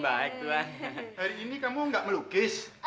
hari ini kamu nggak melukis